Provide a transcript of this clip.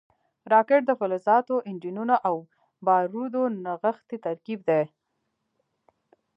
راکټ د فلزاتو، انجنونو او بارودو نغښتی ترکیب دی